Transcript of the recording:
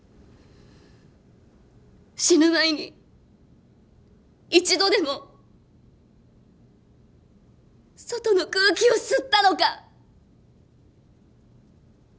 死ぬ前に一度でも外の空気を吸ったのか。